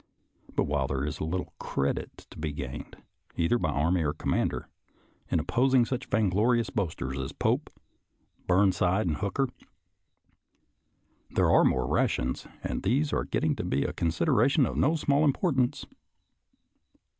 But while there is little credit to be gained, either by army or commander, in op posing such vainglorious boasters as Pope, Burn side, and Hooker, there are more rations, and these are getting to be a consideration of no small importance.